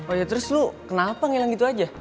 oh ya terus lu kenapa ngilang gitu aja